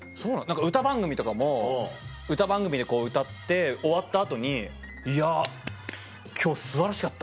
歌番組とかも歌番組でこう歌って終わった後に「いや今日素晴らしかった。